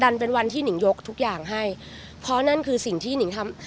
เป็นวันที่หนิงยกทุกอย่างให้เพราะนั่นคือสิ่งที่หนิงทำ